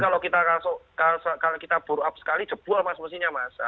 mobil kalau kita buru up sekali jebol mas mesinnya mas